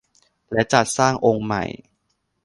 และจัดสร้างองค์ใหม่